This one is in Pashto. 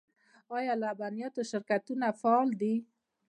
آیا د لبنیاتو شرکتونه فعال دي؟